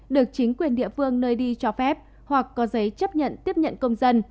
được chính quyền địa phương nơi đi cho phép hoặc có giấy chấp nhận tiếp nhận công dân